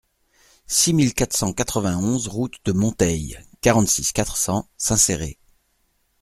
six mille quatre cent quatre-vingt-onze route de Monteil, quarante-six, quatre cents, Saint-Céré